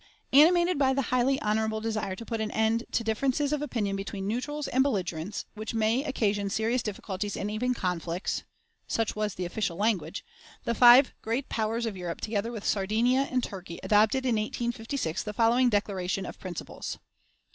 Animated by the highly honorable desire to put an end "to differences of opinion between neutrals and belligerents, which may occasion serious difficulties and even conflicts" (such was the official language), the five great powers of Europe, together with Sardinia and Turkey, adopted in 1856 the following declaration of principles: "1.